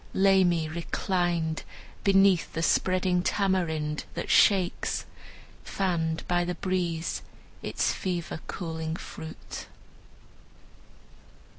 Lay me reclined Beneath the spreading tamarind, that shakes, Fanned by the breeze, its fever cooling fruit."